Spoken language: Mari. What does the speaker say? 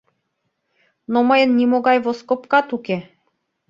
Но мыйын нимогай воскопкат уке.